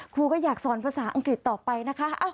ครูก็อยากสอนภาษาอังกฤษต่อไปนะคะ